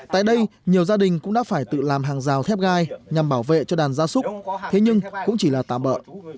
tại đây nhiều gia đình cũng đã phải tự làm hàng rào thép gai nhằm bảo vệ cho đàn gia súc thế nhưng cũng chỉ là tạm bợ